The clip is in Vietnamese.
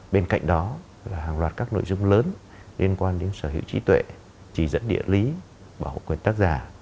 bên cạnh đó là hàng loạt các nội dung lớn liên quan đến sở hữu trí tuệ chỉ dẫn địa lý bảo hộ quyền tác giả